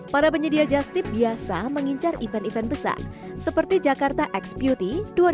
para penyedia just tip biasa mengincar event event besar seperti jakarta x beauty dua ribu dua puluh